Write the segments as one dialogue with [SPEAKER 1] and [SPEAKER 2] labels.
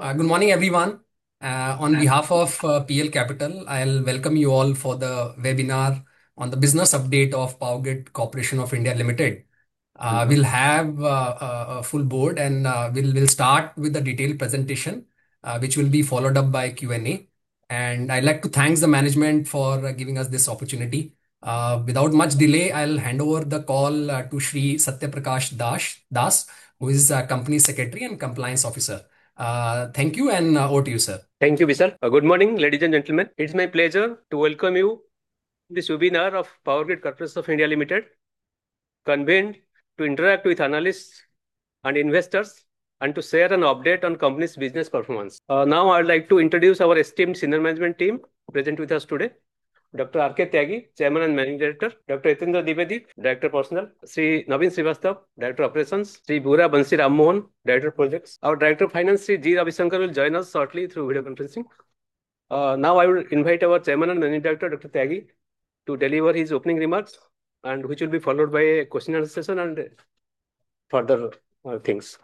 [SPEAKER 1] Good morning, everyone. On behalf of PL Capital, I'll welcome you all for the webinar on the business update of Power Grid Corporation of India Limited. We'll have a full board and we'll start with the detailed presentation, which will be followed up by Q&A. I'd like to thank the management for giving us this opportunity. Without much delay, I'll hand over the call to Shri Satyaprakash Dash, who is our Company Secretary and Compliance Officer. Thank you and over to you, sir.
[SPEAKER 2] Thank you, Vishal. Good morning, ladies and gentlemen. It's my pleasure to welcome you to this webinar of Power Grid Corporation of India Limited, convened to interact with analysts and investors, and to share an update on company's business performance. Now I'd like to introduce our esteemed senior management team present with us today. Dr. R.K. Tyagi, Chairman and Managing Director. Dr. Yatindra Dwivedi, Director of Personnel. Shri Naveen Srivastava, Director of Operations. Shri Vamsi Rama Mohan Burra, Director of Projects. Our Director of Finance, Shri G. Ravisankar, will join us shortly through video conferencing. Now I will invite our Chairman and Managing Director, Dr. Tyagi, to deliver his opening remarks, and which will be followed by a question-and-answer session and further, things.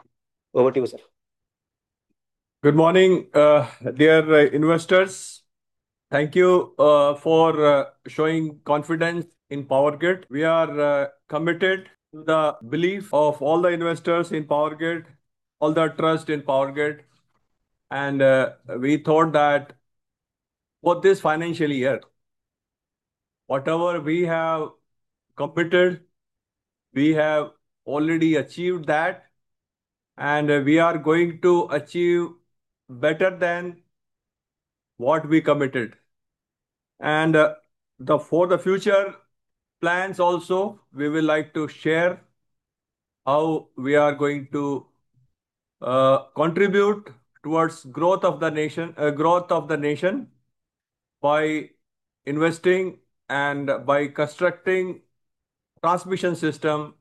[SPEAKER 2] Over to you, sir.
[SPEAKER 3] Good morning, dear investors. Thank you for showing confidence in POWERGRID. We are committed to the belief of all the investors in POWERGRID, all the trust in POWERGRID. We thought that for this financial year, whatever we have committed, we have already achieved that, and we are going to achieve better than what we committed. For the future plans also, we will like to share how we are going to contribute towards gRoWth of the nation by investing and by constructing transmission system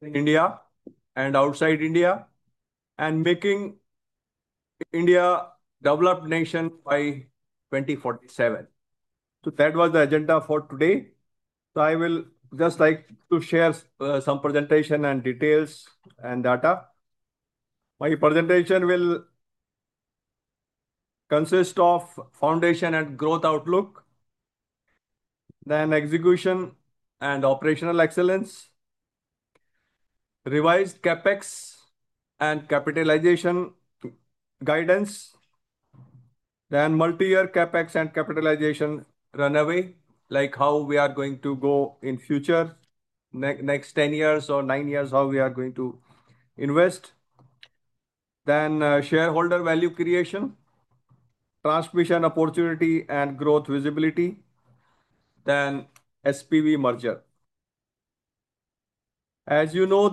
[SPEAKER 3] in India and outside India, and making India a developed nation by 2047. That was the agenda for today. I will just like to share some presentation and details and data. My presentation will consist of foundation and gRoWth outlook, execution and operational excellence, revised CapEx and capitalization guidance, multi-year CapEx and capitalization runway, like how we are going to go in the future next 10 years or nine years, how we are going to invest. Shareholder value creation, transmission opportunity and gRoWth visibility, SPV merger. As you know,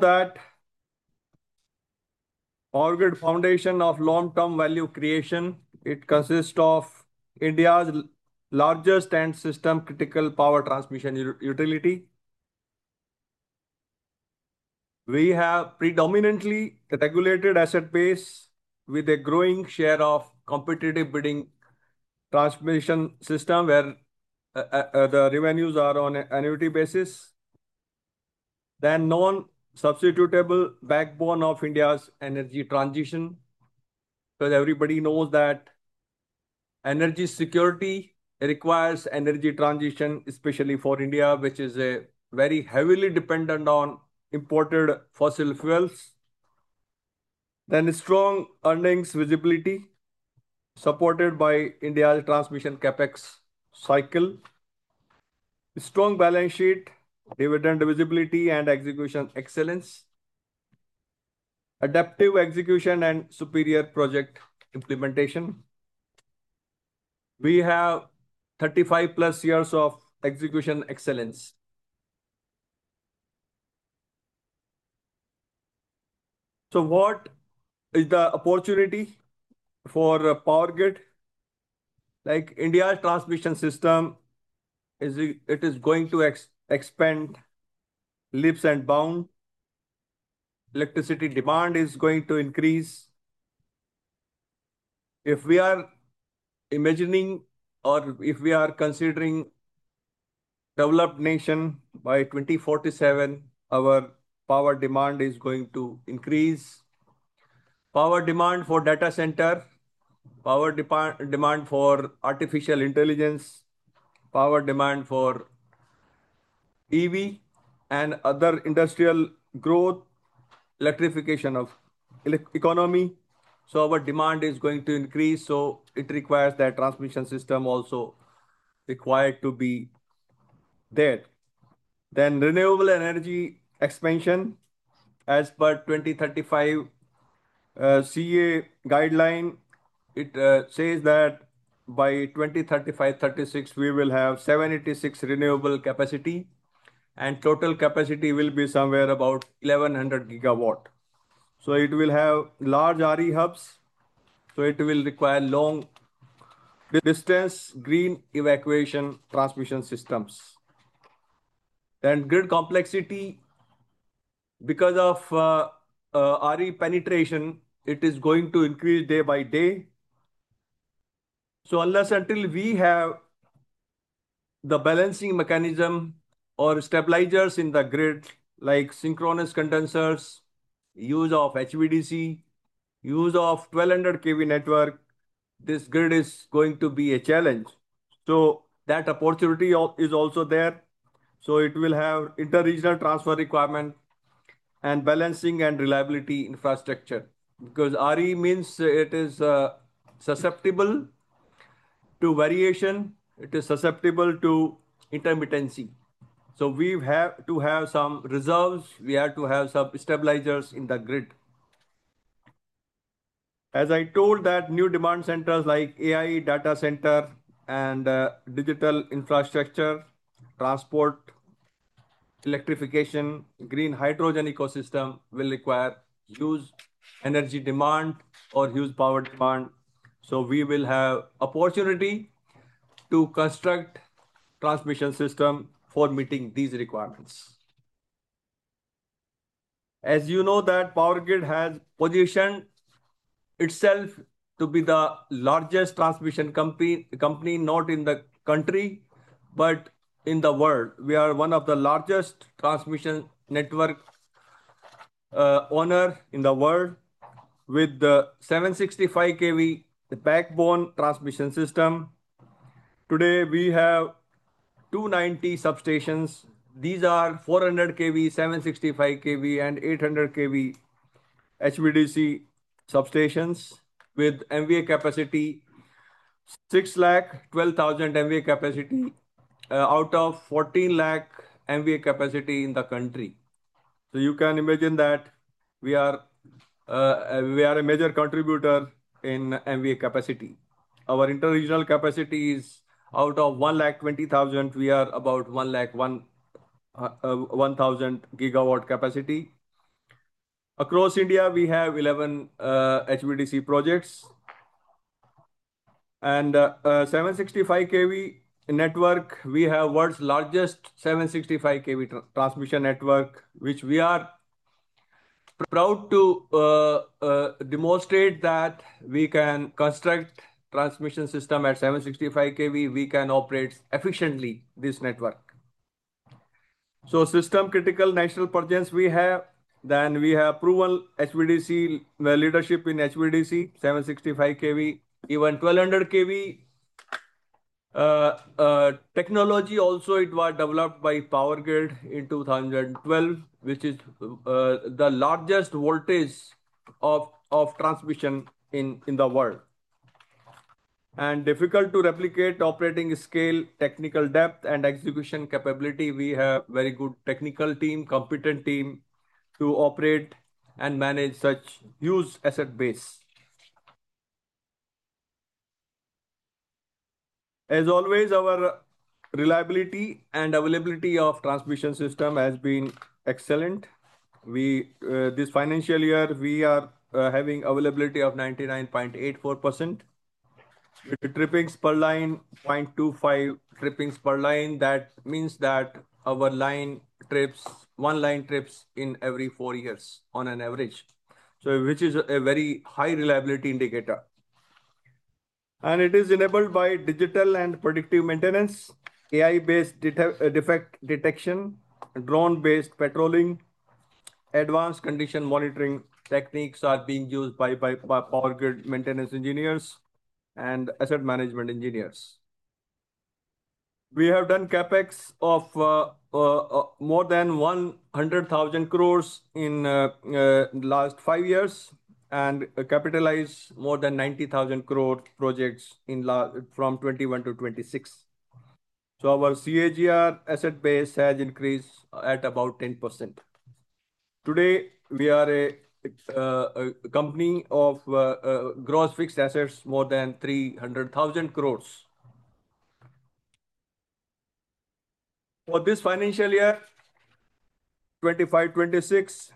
[SPEAKER 3] POWERGRID is the foundation of long-term value creation. It consists of India's largest and system critical power transmission utility. We have predominantly the regulated asset base with a gRoWing share of competitive bidding transmission system where the revenues are on an annuity basis. Non-substitutable backbone of India's energy transition. Because everybody knows that energy security requires energy transition, especially for India, which is very heavily dependent on imported fossil fuels. Strong earnings visibility supported by India's transmission CapEx cycle. Strong balance sheet, dividend visibility and execution excellence. Adaptive execution and superior project implementation. We have 35+ years of execution excellence. What is the opportunity for POWERGRID? Like, India's transmission system is going to expand leaps and bounds. Electricity demand is going to increase. If we are imagining or if we are considering developed nation by 2047, our power demand is going to increase. Power demand for data centers, power demand for artificial intelligence, power demand for EV and other industrial gRoWth, electrification of economy. Our demand is going to increase, it requires that transmission system also required to be there. Renewable energy expansion as per 2035, CEA guidelines. It says that by 2035–2036, we will have 786 GW renewable capacity, and total capacity will be somewhere about 1,100 GW. It will have large RE hubs, so it will require long-distance green evacuation transmission systems. Grid complexity. Because of RE penetration, it is going to increase day by day. Unless until we have the balancing mechanism or stabilizers in the grid, like synchronous condensers, use of HVDC, use of 1200 kV network, this grid is going to be a challenge. That opportunity is also there, so it will have inter-regional transfer requirement and balancing and reliability infrastructure. Because RE means it is susceptible to variation, it is susceptible to intermittency. We have to have some reserves, we have to have some stabilizers in the grid. As I told that new demand centers like AI data center and digital infrastructure, transport, electrification, green hydrogen ecosystem will require huge energy demand or huge power demand. We will have opportunity to construct transmission system for meeting these requirements. As you know that POWERGRID has positioned itself to be the largest transmission company, not in the country, but in the world. We are one of the largest transmission network owner in the world with the 765 kV the backbone transmission system. Today, we have 290 substations. These are 400 kV, 765 kV, and 800 kV HVDC substations with MVA capacity, 6,12,000 MVA capacity, out of 14,00,000 MVA capacity MVA capacity in the country. You can imagine that we are a major contributor in MVA capacity. Our inter-regional capacity is out of 1,20,000 MW, we are about 1,01,000 MW capacity. Across India, we have 11 HVDC projects. 765 kV network, we have world's largest 765 kV transmission network, which we are proud to demonstrate that we can construct transmission system at 765 kV. We can operate efficiently this network. We have system critical national projects. We have proven HVDC leadership in HVDC 765 kV, even 1,200 kV. Technology also it was developed by POWERGRID in 2012, which is the largest voltage of transmission in the world. Difficult to replicate operating scale, technical depth, and execution capability. We have very good technical team, competent team to operate and manage such huge asset base. As always, our reliability and availability of transmission system has been excellent. This financial year, we are having availability of 99.84%. With the trippings per line 0.25 trippings per line, that means that our line trips, one line trips in every four years on average. Which is a very high reliability indicator. It is enabled by digital and predictive maintenance, AI-based defect detection, drone-based patrolling. Advanced condition monitoring techniques are being used by POWERGRID maintenance engineers and asset management engineers. We have done CapEx of more than 100,000 crore in last five years, and capitalized more than 90,000 crore projects from 2021 to 2026. Our CAGR asset base has increased at about 10%. Today, we are a company of gross fixed assets more than 300,000 crore. For this financial year, FY 2025-26,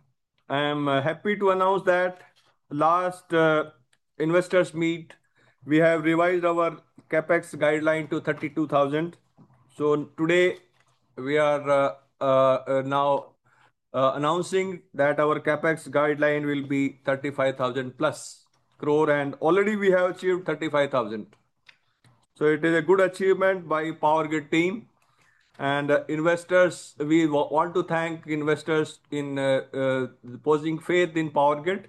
[SPEAKER 3] I am happy to announce that last investors meet, we have revised our CapEx guideline to 32,000 crore. Today, we are now announcing that our CapEx guideline will be 35,000+ crore, and already we have achieved 35,000 crore. It is a good achievement by POWERGRID team. Investors, we want to thank investors in reposing faith in POWERGRID.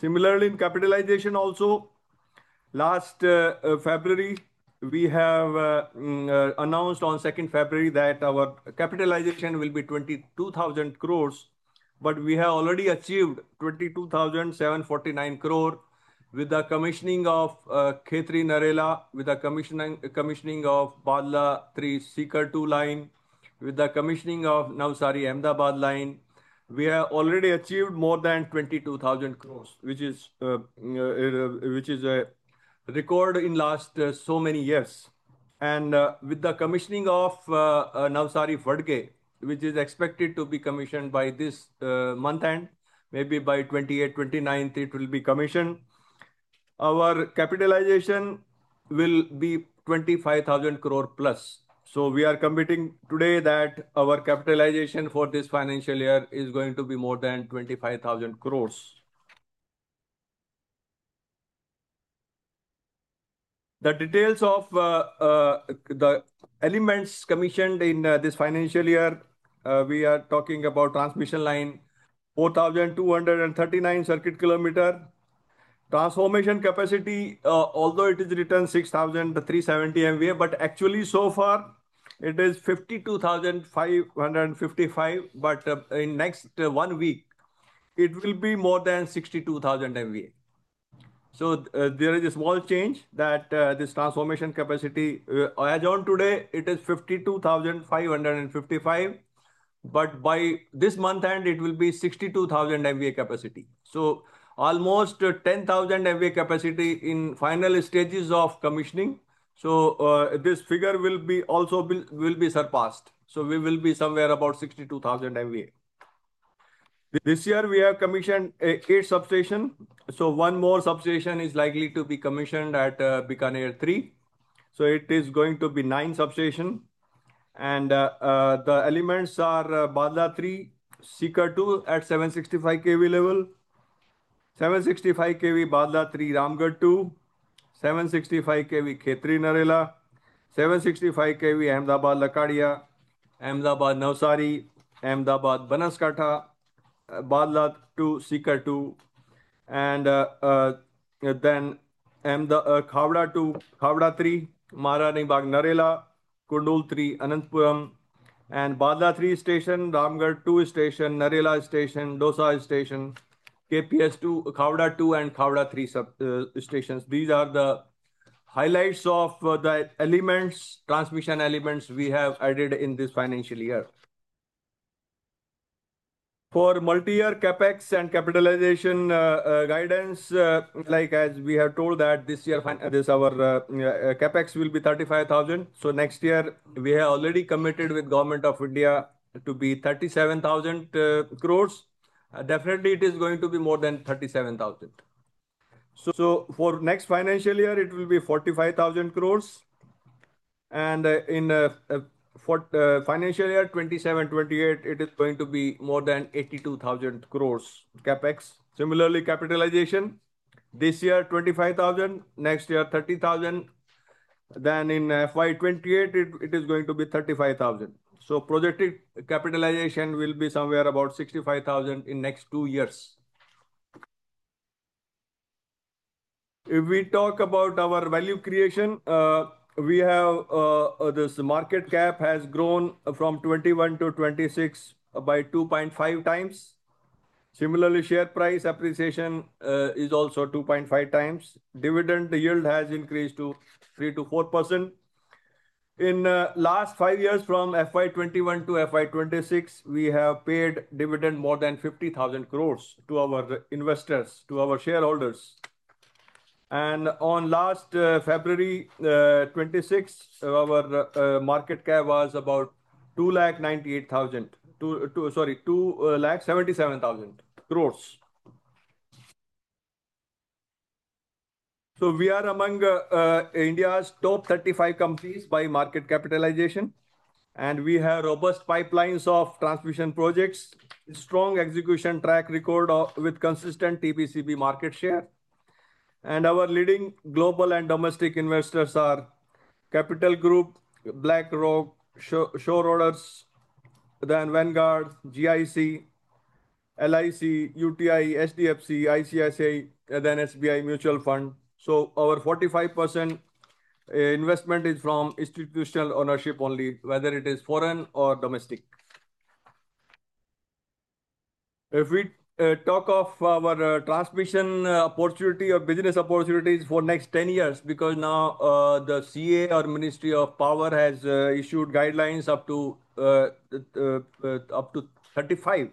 [SPEAKER 3] Similarly, in capitalization also, last February, we have announced on 2 February that our capitalization will be 22,000 crore. We have already achieved 22,749 crore with the commissioning of Khetri-Narela, with the commissioning of Bhadla-III, Sikar-II line, with the commissioning of Navsari-Ahmedabad line. We have already achieved more than 22,000 crore, which is a record in last so many years. With the commissioning of Navsari-Vadgam, which is expected to be commissioned by this month end, maybe by 28th, 29th it will be commissioned. Our capitalization will be 25,000 crore plus. We are committing today that our capitalization for this financial year is going to be more than 25,000 crore. The details of the elements commissioned in this financial year, we are talking about transmission line 4,239 circuit kilometer. Transformation capacity, although it is written 6,370 MVA, but actually so far it is 52,555 MVA, but in next one week it will be more than 62,000 MVA. There is a small change that this transformation capacity... As on today, it is 52,555 MVA, but by this month end it will be 62,000 MVA capacity. Almost 10,000 MVA capacity in final stages of commissioning. This figure will be surpassed. We will be somewhere about 62,000 MVA. This year we have commissioned eight substations, so one more substation is likely to be commissioned at Bikaner-III. It is going to be nine substations. The elements are Bhadla-III, Sikar-II at 765 kV level. 765 kV Bhadla-III, Ramgarh-II. 765 kV Khetri-Narela. 765 kV Ahmedabad-Lakadia. Ahmedabad-Navsari. Ahmedabad-Banaskantha. Bhadla-II, Sikar-II. Then Khawda II, Khawda III, Maharani Bagh-Narela, Kundah III, Anantapur. Bhadla-III station, Ramgarh-II station, Narela station, Dausa station, KPS-II, Khawda 2, and Khawda 3 substations. These are the highlights of the transmission elements we have added in this financial year. For multi-year CapEx and capitalization guidance, like as we have told that this year CapEx will be 35,000 crore. Next year, we have already committed with Government of India to be 37,000 crore. Definitely it is going to be more than 37,000 crore. For next financial year it will be 45,000 crore. In financial year 2027-28, it is going to be more than 82,000 crore CapEx. Similarly, capitalization, this year 25,000 crore, next year 30,000 crore, then in FY 2028 it is going to be 35,000 crore. Projected capitalization will be somewhere about 65,000 crore in next two years. If we talk about our value creation, this market cap has gRoWn from 2021 to 2026 by 2.5x. Similarly, share price appreciation is also 2.5 times. Dividend yield has increased to 3%–4%. In last five years, from FY 2021 to FY 2026, we have paid dividend more than 50,000 crore to our investors, to our shareholders. On last February 26, our market cap was about 2,77,000 crore. We are among India's top 35 companies by market capitalization, and we have robust pipelines of transmission projects, strong execution track record with consistent TBCB market share. Our leading global and domestic investors are Capital Group, BlackRock, Shore Capital, then Vanguard, GIC, LIC, UTI, HDFC, ICICI, and then SBI Mutual Fund. Our 45% investment is from institutional ownership only, whether it is foreign or domestic. If we talk of our transmission opportunity or business opportunities for next 10 years, because now the CEA and Ministry of Power has issued guidelines up to 2035.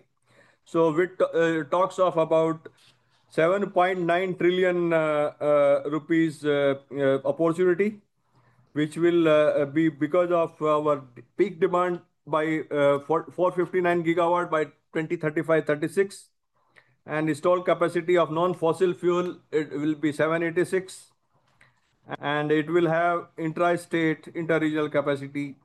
[SPEAKER 3] With talks of about 7.9 trillion rupees opportunity, which will be because of our peak demand by 459 GW by 2035-36. Installed capacity of non-fossil fuel, it will be 786. And it will have intra-state, interregional capacity.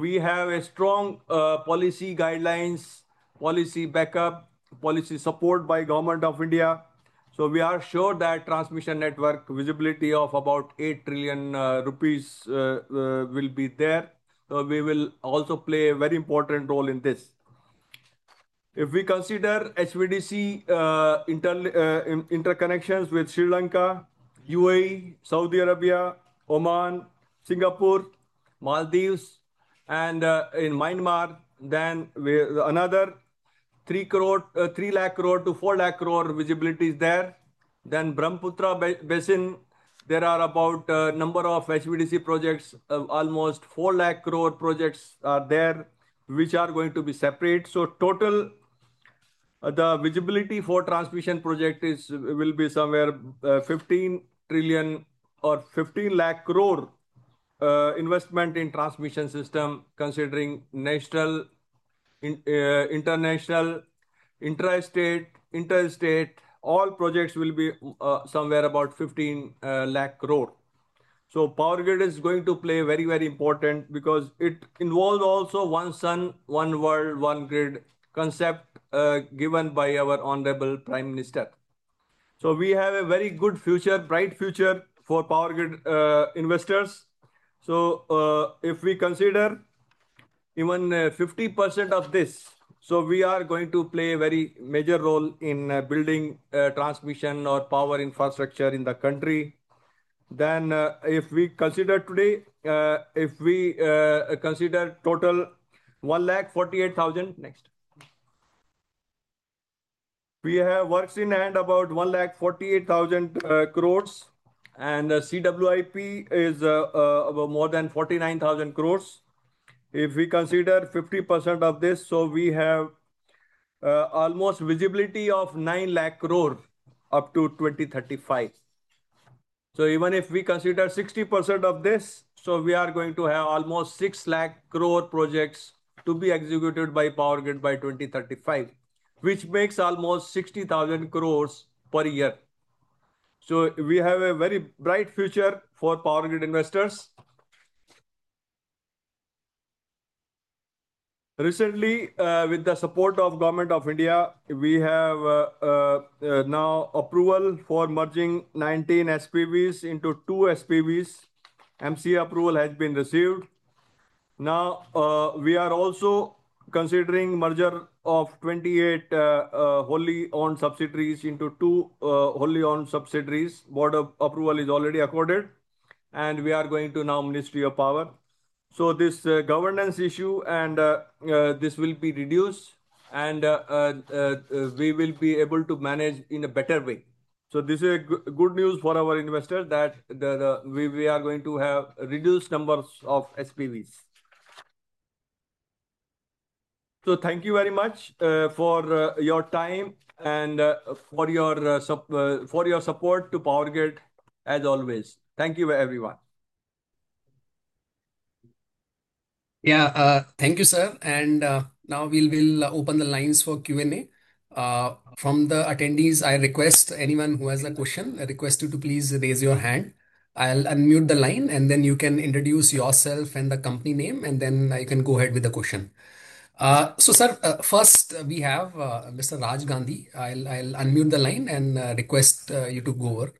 [SPEAKER 3] We have a strong policy guidelines, policy backup, policy support by Government of India. We are sure that transmission network visibility of about 8 trillion rupees will be there. We will also play a very important role in this. If we consider HVDC interconnections with Sri Lanka, UAE, Saudi Arabia, Oman, Singapore, Maldives, and in Myanmar, then another 3 lakh crore-4 lakh crore visibility is there. Then Brahmaputra Basin, there are about number of HVDC projects, almost 4 lakh crore projects are there, which are going to be separate. Total, the visibility for transmission project is. will be somewhere 15 trillion or 50 lakh crore, investment in transmission system considering national, international, intra-state, interstate. All projects will be somewhere about 15 lakh crore. POWERGRID is going to play very, very important because it involves also One Sun, One World, One Grid concept given by our Honorable Prime Minister. We have a very good future, bright future for POWERGRID investors. If we consider even 50% of this, we are going to play a very major role in building transmission or power infrastructure in the country. If we consider total 1,48,000 crore. We have works in hand about 1,48,000 crore, and CWIP is about more than 49,000 crore. If we consider 50% of this, we have almost visibility of 9,00,000 crore up to 2035. Even if we consider 60% of this, we are going to have almost 6,00,000 crore projects to be executed by POWERGRID by 2035, which makes almost 60,000 crore per year. We have a very bright future for POWERGRID investors. Recently, with the support of Government of India, we have now approval for merging 19 SPVs into two SPVs. MCA approval has been received. Now, we are also considering merger of 28 wholly owned subsidiaries into two wholly owned subsidiaries. Board approval is already accorded, and we are going to now Ministry of Power. This governance issue and this will be reduced and we will be able to manage in a better way. This is a good news for our investor that we are going to have reduced numbers of SPVs. Thank you very much for your time and for your support to POWERGRID as always. Thank you everyone.
[SPEAKER 1] Thank you, sir. Now we will open the lines for Q&A. From the attendees, I request anyone who has a question to please raise your hand. I'll unmute the line, and then you can introduce yourself and the company name, and then you can go ahead with the question. Sir, first we have Mr. Rajiv Gandhi. I'll unmute the line and request you to go over.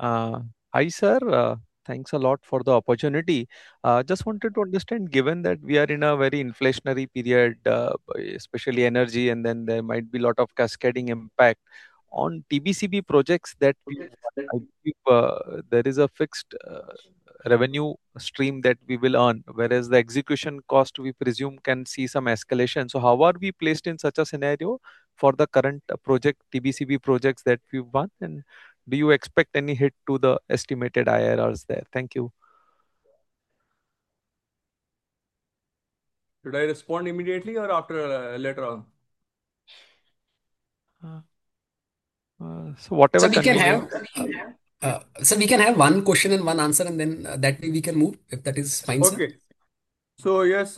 [SPEAKER 4] Hi sir. Thanks a lot for the opportunity. Just wanted to understand, given that we are in a very inflationary period, especially energy, and then there might be a lot of cascading impact. On TBCB projects that we have, there is a fixed revenue stream that we will earn, whereas the execution cost, we presume, can see some escalation. How are we placed in such a scenario for the current TBCB projects that we've won? Do you expect any hit to the estimated IRRs there? Thank you.
[SPEAKER 3] Should I respond immediately or after, later on?
[SPEAKER 4] Uh, so whatever-
[SPEAKER 1] Sir, we can have one question and one answer, and then that way we can move, if that is fine, sir.
[SPEAKER 3] Okay. Yes,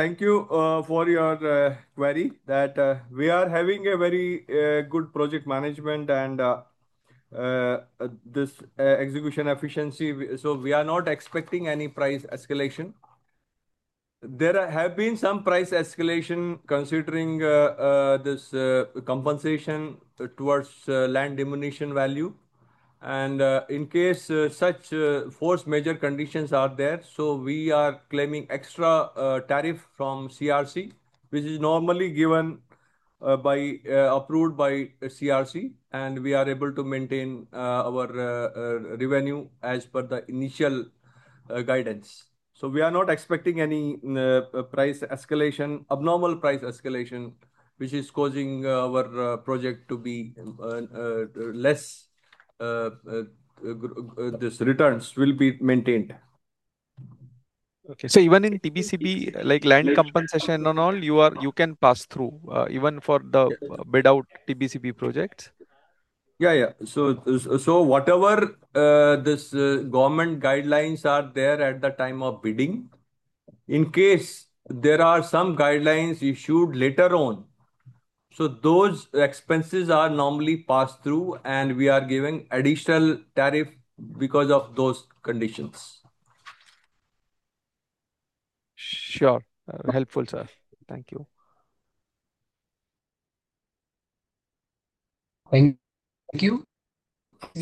[SPEAKER 3] thank you for your query that we are having a very good project management and this execution efficiency, so we are not expecting any price escalation. There have been some price escalation considering this compensation towards land diminution value. In case such force majeure conditions are there, so we are claiming extra tariff from CERC, which is normally given approved by CERC, and we are able to maintain our revenue as per the initial guidance. We are not expecting any price escalation, abnormal price escalation, which is causing our project to be less. These returns will be maintained.
[SPEAKER 4] Okay. Even in TBCB, like land compensation and all, you can pass through, even for the bid out TBCB projects?
[SPEAKER 3] Yeah. Whatever this government guidelines are there at the time of bidding. In case there are some guidelines issued later on, those expenses are normally passed through and we are giving additional tariff because of those conditions.
[SPEAKER 4] Sure. Helpful, sir. Thank you.
[SPEAKER 1] Thank you.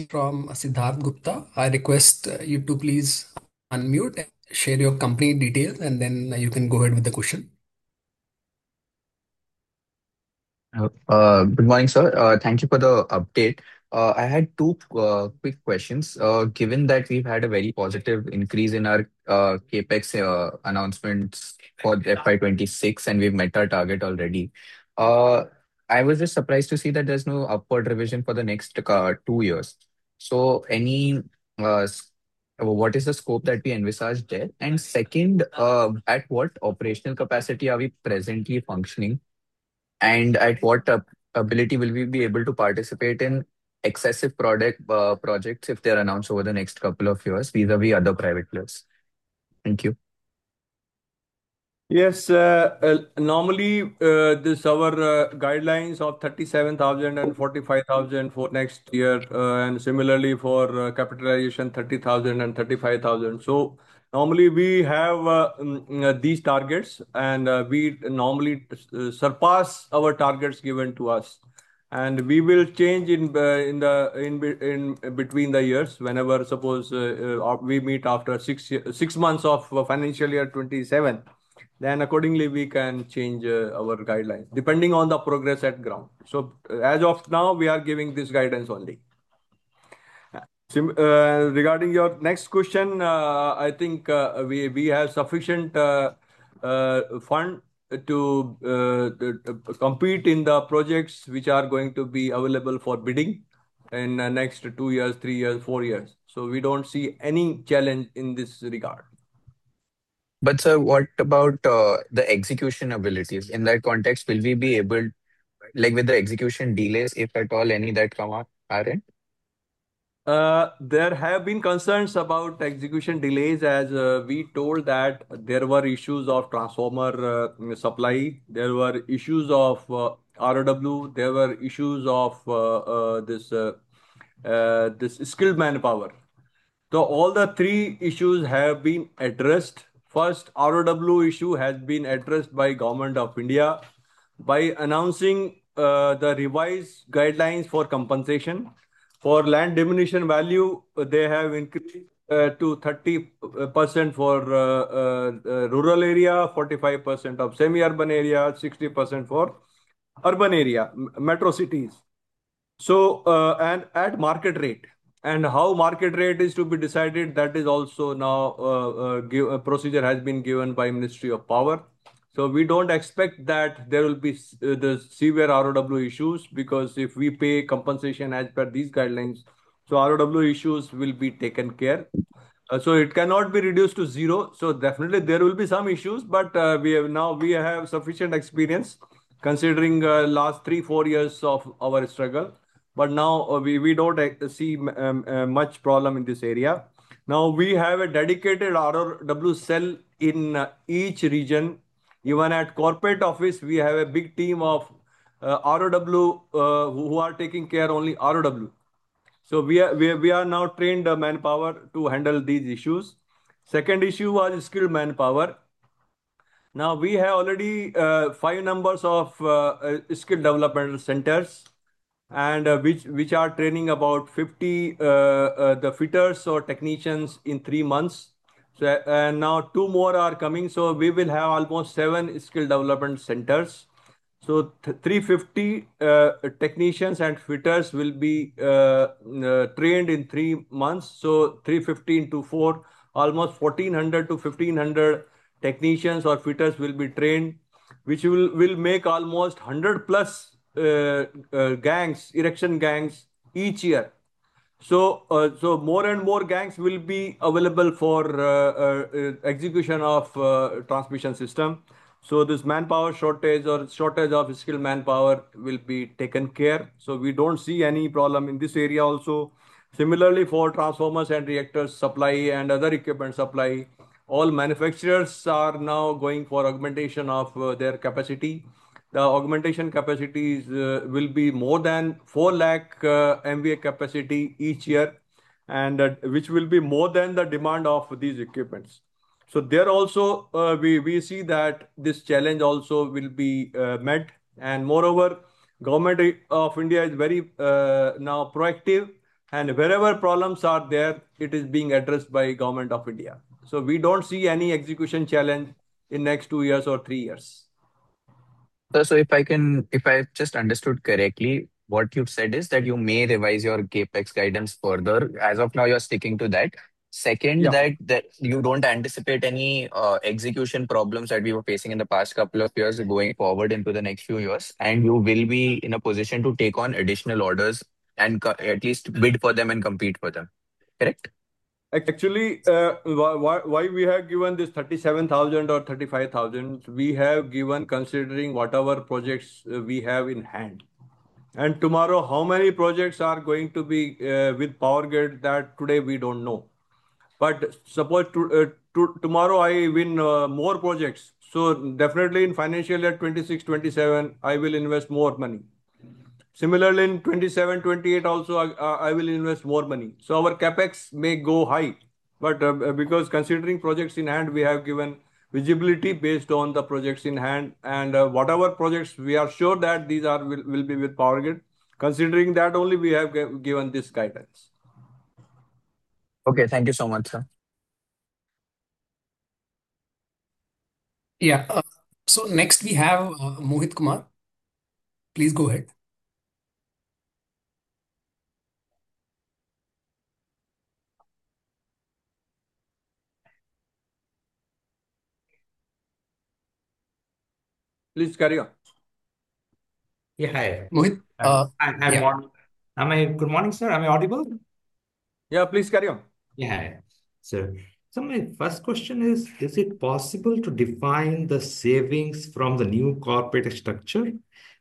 [SPEAKER 1] From Siddharth Gupta. I request you to please unmute and share your company details, and then you can go ahead with the question.
[SPEAKER 5] Good morning, sir. Thank you for the update. I had two quick questions. Given that we've had a very positive increase in our CapEx announcements for FY 2026, and we've met our target already, I was just surprised to see that there's no upward revision for the next two years. What is the scope that we envisaged there? Second, at what operational capacity are we presently functioning? And at what ability will we be able to participate in TBCB projects if they are announced over the next couple of years vis-à-vis other private players? Thank you.
[SPEAKER 3] Yes, normally, these are our guidelines of 37,000–45,000 for next year, and similarly for capitalization 30,000–35,000. Normally we have these targets, and we normally surpass our targets given to us. We will change in between the years whenever, suppose, we meet after six months of FY 2027, then accordingly we can change our guidelines depending on the progress on ground. As of now, we are giving this guidance only. Regarding your next question, I think we have sufficient funds to complete the projects which are going to be available for bidding in the next two years, three years, four years. We don't see any challenge in this regard.
[SPEAKER 5] Sir, what about the execution abilities? In that context, will we be able, like, with the execution delays, if at all any that come up at end?
[SPEAKER 3] There have been concerns about execution delays as we told that there were issues of transformer supply. There were issues of RoW. There were issues of this skilled manpower. All the three issues have been addressed. First, RoW issue has been addressed by Government of India by announcing the revised guidelines for compensation. For land diminution value, they have increased to 30% for rural area, 45% of semi-urban area, 60% for urban area, metro cities, and at market rate. How market rate is to be decided, that is also now. A procedure has been given by Ministry of Power. We don't expect that there will be the severe RoW issues, because if we pay compensation as per these guidelines, RoW issues will be taken care of. It cannot be reduced to zero. Definitely there will be some issues, but now we have sufficient experience considering last three to four years of our struggle. Now we don't see much problem in this area. We have a dedicated RoW cell in each region. Even at corporate office, we have a big team of RoW who are taking care of only RoW. We have now trained the manpower to handle these issues. Second issue was skilled manpower. We have already five numbers of skill development centers and which are training about 50 fitters or technicians in three months. Now two more are coming, so we will have almost seven skill development centers. 350 technicians and fitters will be trained in three months. 350 into 4, almost 1400–1500 technicians or fitters will be trained, which will make almost 100+ erection gangs each year. More and more gangs will be available for execution of transmission system. This manpower shortage or shortage of skilled manpower will be taken care. We don't see any problem in this area also. Similarly, for transformers and reactors supply and other equipment supply, all manufacturers are now going for augmentation of their capacity. The augmentation capacities will be more than 4 lakh MVA capacity each year, and that, which will be more than the demand of these equipment. There also, we see that this challenge also will be met. Moreover, Government of India is very proactive now, and wherever problems are there, it is being addressed by Government of India. We don't see any execution challenge in next 2 years or 3 years.
[SPEAKER 5] If I just understood correctly, what you've said is that you may revise your CapEx guidance further. As of now, you are sticking to that.
[SPEAKER 3] Yeah.
[SPEAKER 5] Second, that you don't anticipate any execution problems that we were facing in the past couple of years going forward into the next few years, and you will be in a position to take on additional orders and at least bid for them and compete for them. Correct?
[SPEAKER 3] Actually, why we have given this 37,000 crore or 35,000 crore, we have given considering whatever projects we have in hand. TomorRoW, how many projects are going to be with POWERGRID that today we don't know. Suppose tomorRoW I win more projects, so definitely in FY 2026 and FY 2027, I will invest more money. Similarly, in 2027, 2028 also I will invest more money. Our CapEx may go high. Because considering projects in hand, we have given visibility based on the projects in hand. Whatever projects we are sure that these will be with POWERGRID, considering that only we have given this guidance.
[SPEAKER 5] Okay. Thank you so much, sir.
[SPEAKER 1] Yeah. Next we have, Mohit Kumar. Please go ahead.
[SPEAKER 3] Please carry on.
[SPEAKER 6] Yeah. Hi.
[SPEAKER 1] Mohit, yeah.
[SPEAKER 6] Good morning, sir. Am I audible?
[SPEAKER 3] Yeah, please carry on.
[SPEAKER 6] Yeah. Sir, so my first question is: Is it possible to define the savings from the new corporate structure?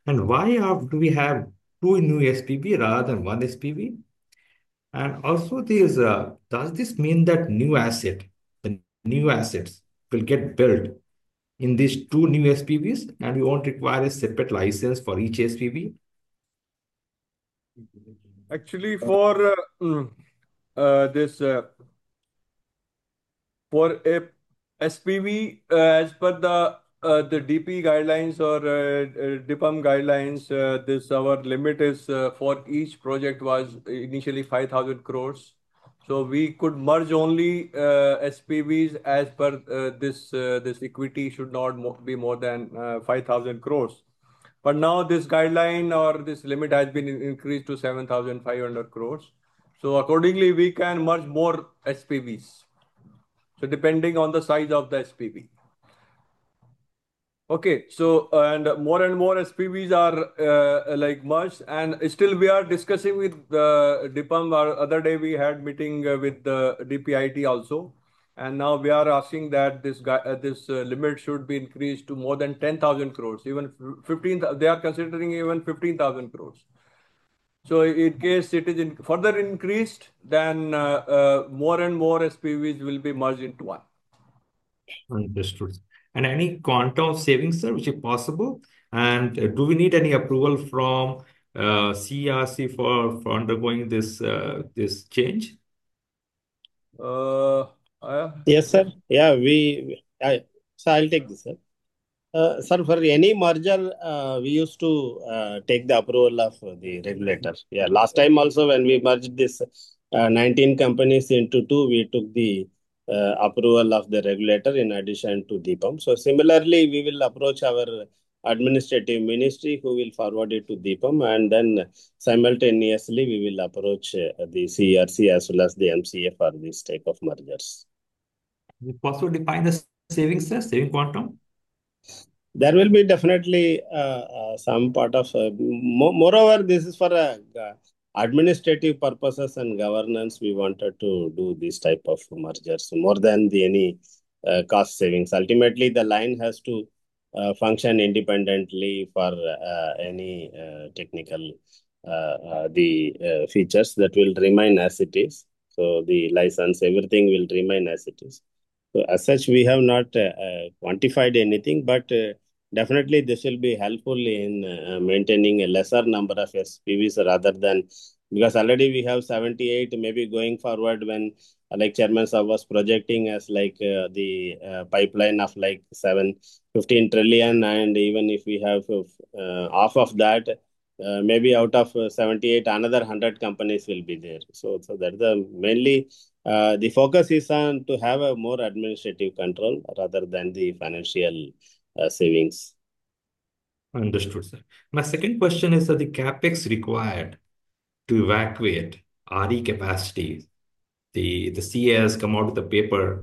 [SPEAKER 6] Why do we have two new SPV rather than one SPV? Also this, does this mean that the new assets will get built in these two new SPVs, and we won't require a separate licence for each SPV?
[SPEAKER 3] Actually, for a SPV, as per the DIPAM guidelines, our limit for each project was initially 5,000 crore. We could merge only SPVs as per this equity should not be more than 5,000 crore. Now this guideline or this limit has been increased to 7,500 crore, so accordingly we can merge more SPVs. Depending on the size of the SPV. Okay. More and more SPVs are like merged, and still we are discussing with DIPAM. The other day we had meeting with DPIIT also, and now we are asking that this limit should be increased to more than 10,000 crore, even 15,000. They are considering even 15,000 crore. In case it is further increased, then more and more SPVs will be merged into one.
[SPEAKER 6] Understood. Any quantum of savings there which are possible? Do we need any approval from CERC for undergoing this change?
[SPEAKER 3] Satyaprakash Dash?
[SPEAKER 2] Yes, sir. Yeah, I'll take this, sir. Sir, for any merger, we used to take the approval of the regulators. Yeah. Last time also, when we merged these 19 companies into two, we took the approval of the regulator in addition to DIPAM. Similarly, we will approach our administrative ministry, who will forward it to DIPAM, and then simultaneously we will approach the CERC as well as the MCA for these type of mergers.
[SPEAKER 6] Is it possible to define the savings, sir, saving quantum?
[SPEAKER 2] Moreover, this is for administrative purposes and governance. We wanted to do this type of mergers more than any cost savings. Ultimately, the line has to function independently for any technical features that will remain as it is. The license, everything will remain as it is. As such, we have not quantified anything, but definitely this will be helpful in maintaining a lesser number of SPVs rather than. Because already we have 78, maybe going forward when, like, Chairman sir was projecting as, like, the pipeline of, like, 7 trillion–15 trillion. Even if we have half of that, maybe out of 78, another 100 companies will be there. That's mainly the focus is on to have a more administrative control rather than the financial savings.
[SPEAKER 6] Understood, sir. My second question is that the CapEx required to evacuate RE capacity. CEA has come out with a paper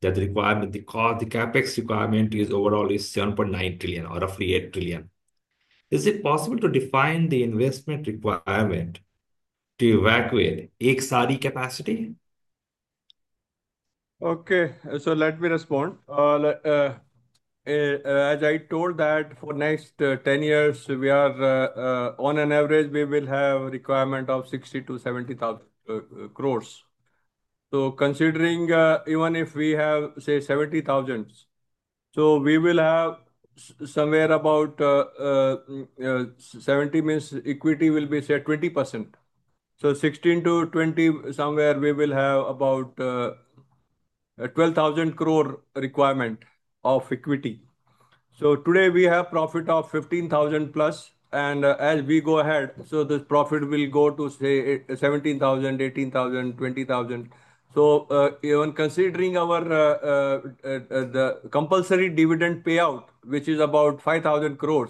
[SPEAKER 6] that the CapEx requirement is overall 7.9 trillion or roughly 8 trillion. Is it possible to define the investment requirement to evacuate each RE capacity?
[SPEAKER 3] Okay. Let me respond. As I told that for next 10 years, we are on an average, we will have requirement of 60-70 crore. Considering even if we have, say, 70,000 crore. We will have somewhere about 70, means equity will be, say, 20% (16–20%) somewhere, we will have about a 12,000 crore requirement of equity. Today we have profit of 15,000 crore+, and as we go ahead, this profit will go to, say, 17,000 crore, 18,000 crore, 20,000 crore. Even considering our, the compulsory dividend payout, which is about 5,000 crore.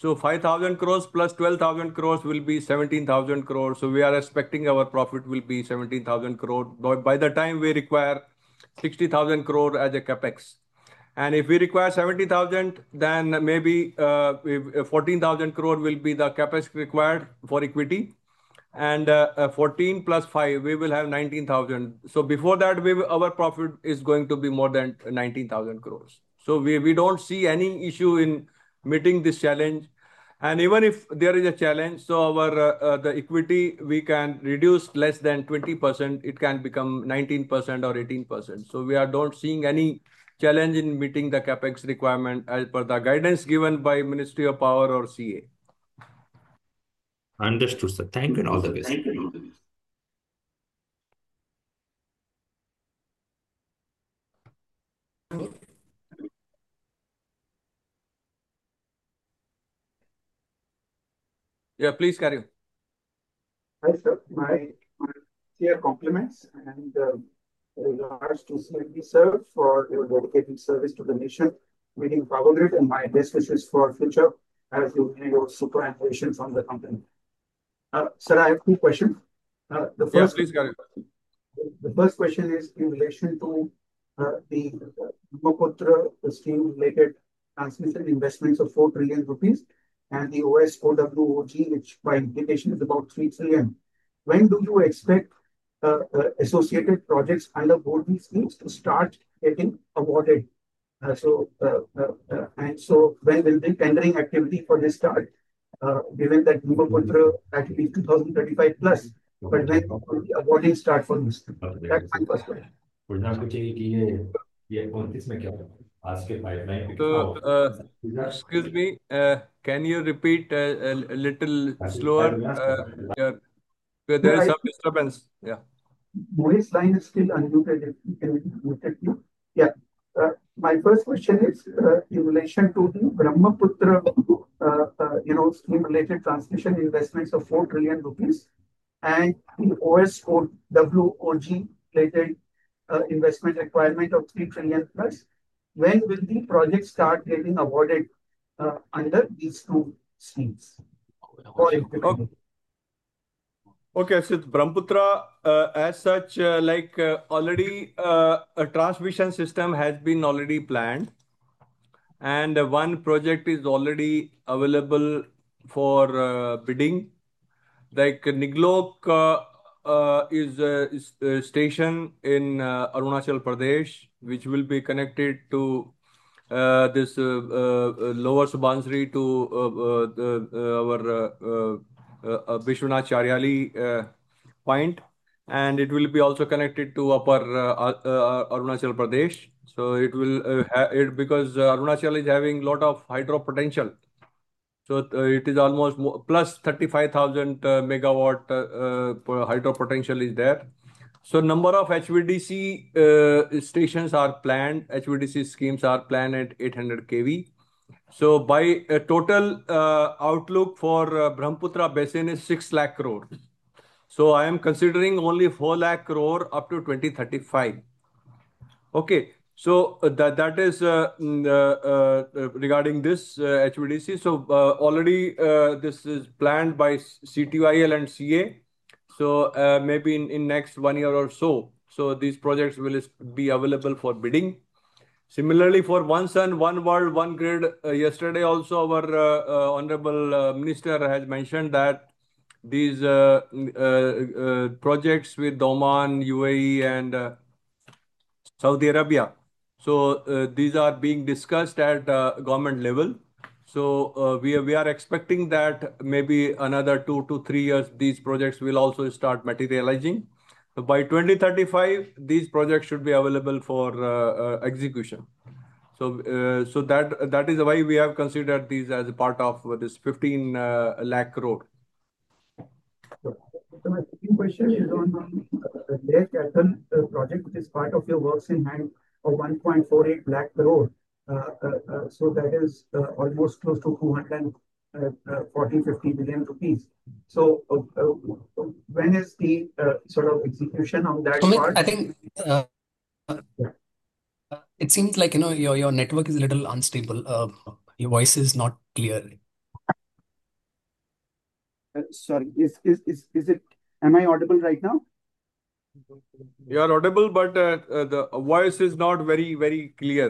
[SPEAKER 3] 5,000 crore plus 12,000 crore will be 17,000 crore. We are expecting our profit will be 17,000 crore by the time we require 60,000 crore as CapEx. If we require 70,000 crore, then maybe 14,000 crore will be the CapEx required for equity. 14 plus 5, we will have 19,000. Before that, our profit is going to be more than 19,000 crore. We don't see any issue in meeting this challenge. Even if there is a challenge, the equity, we can reduce less than 20%, it can become 19% or 18%. We don't see any challenge in meeting the CapEx requirement as per the guidance given by Ministry of Power or CEA.
[SPEAKER 6] Understood, sir. Thank you.
[SPEAKER 3] Okay.
[SPEAKER 6] All the best.
[SPEAKER 3] Yeah, please carry on.
[SPEAKER 7] Hi, sir. My dear compliments and regards to CMD sir for your dedicated service to the nation, leading POWERGRID, and my best wishes for future as you carry your super ambitions on the company. Sir, I have two questions. The first-
[SPEAKER 3] Yes, please carry on.
[SPEAKER 7] The first question is in relation to the Brahmaputra scheme-related transmission investments of 4 trillion rupees and the OSOWOG, which by implication is about 3 trillion. When do you expect associated projects under both these schemes to start getting awarded? When will the tendering activity for this start, given that Brahmaputra at least 2035+, but when will the awarding start for this? That's my first one.
[SPEAKER 3] Excuse me, can you repeat a little slower? There is some disturbance. Yeah.
[SPEAKER 7] My first question is in relation to the Brahmaputra scheme-related transmission investments of 4 trillion rupees and the OSOWOG related investment requirement of 3 trillion plus. When will the project start getting awarded under these two schemes? Or if-
[SPEAKER 3] The Brahmaputra, as such, like, already a transmission system has been already planned and one project is already available for bidding. Like, Niglok is a station in Arunachal Pradesh, which will be connected to this Lower Subansiri to our Vishwanath Chariali point, and it will be also connected to Upper Arunachal Pradesh. Because Arunachal is having lot of hydro potential, so it is almost +35,000 MW hydro potential is there. Number of HVDC stations are planned. HVDC schemes are planned at 800 kV. Total outlook for Brahmaputra basin is 6 lakh crore. I am considering only 4 lakh crore up to 2035. Okay, that is regarding this HVDC. Already, this is planned by CTUIL and CEA, so maybe in next one year or so, these projects will be available for bidding. Similarly, for One Sun, One World, One Grid, yesterday also our Honorable Minister has mentioned that these projects with Oman, UAE and Saudi Arabia. These are being discussed at government level. We are expecting that maybe another two to three years, these projects will also start materializing. By 2035, these projects should be available for execution. That is why we have considered these as a part of this 15 lakh crore.
[SPEAKER 7] My second question is on the Leh–Kaithal project, which is part of your work in hand of 1.48 lakh crore. That is almost close to 240 billion–250 billion rupees. When is the sort of execution on that part?
[SPEAKER 1] Sumit, I think, it seems like, you know, your network is a little unstable. Your voice is not clear.
[SPEAKER 7] Sorry. Am I audible right now?
[SPEAKER 3] You are audible, but the voice is not very, very clear.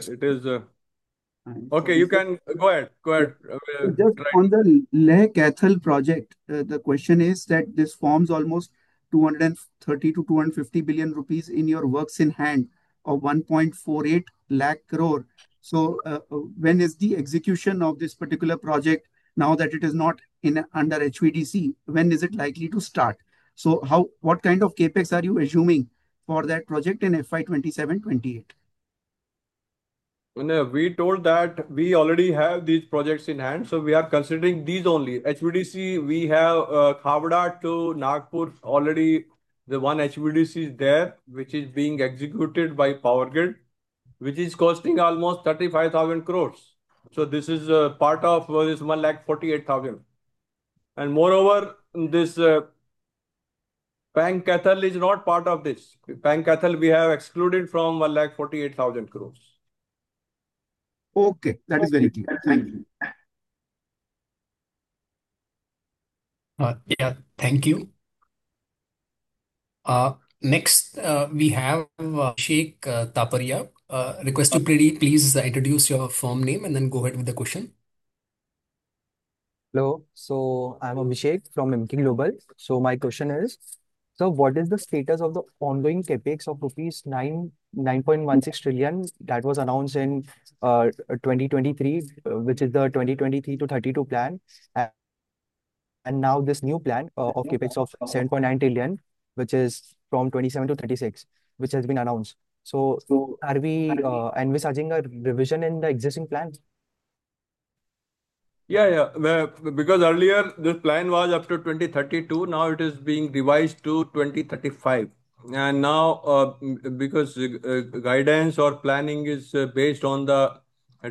[SPEAKER 3] Okay, you can go ahead. Try.
[SPEAKER 7] Just on the Leh–Kaithal project, the question is that this forms almost 230 billion-250 billion rupees in your work in hand of 1.48 lakh crore. When is the execution of this particular project now that it is not under HVDC? When is it likely to start? What kind of CapEx are you assuming for that project in FY 2027, 2028?
[SPEAKER 3] No, we told that we already have these projects in hand, so we are considering these only. HVDC, we have Khavda to Nagpur already. The one HVDC is there, which is being executed by POWERGRID, which is costing almost 35,000 crore. This is a part of this 1,48,000 crore. Moreover, this Leh–Kaithal is not part of this. Leh–Kaithal we have excluded from 1,48,000 crore.
[SPEAKER 7] Okay. That is very clear. Thank you.
[SPEAKER 1] Yeah. Thank you. Next, we have Abhishek Taparia. Request you pretty please introduce your firm name and then go ahead with the question.
[SPEAKER 8] Hello. I'm Abhishek from Emkay Global. My question is, what is the status of the ongoing CapEx of rupees 9.16 trillion that was announced in 2023, which is the 2023 to 2032 plan? And now this new plan of CapEx of 7.9 trillion, which is from 2027 to 2036, which has been announced. Are we envisaging a revision in the existing plans?
[SPEAKER 3] Yeah, yeah. Because earlier this plan was up to 2032, now it is being revised to 2035. Now, because guidance or planning is based on the